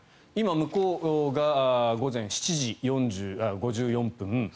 今、向こうが午前７時５４分。